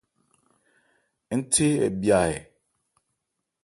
Ńthé hɛ bhya ɛ ?